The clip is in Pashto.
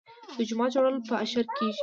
د جومات جوړول په اشر کیږي.